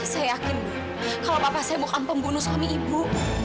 saya yakin kalau bapak saya bukan pembunuh suami ibu